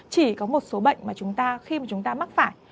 chỉ có một số bệnh mà chúng ta khi mà chúng ta mắc phải